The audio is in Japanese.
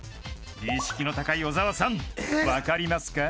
［美意識の高い小沢さん分かりますか？］